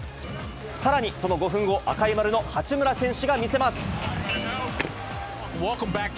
さらに、その５分後、赤い丸の八村選手が見せます。